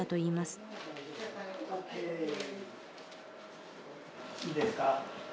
いいですか？